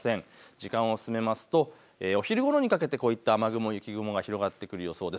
時間を進めますとお昼ごろにかけてこういった雨雲、雪雲が広がってくる予想です。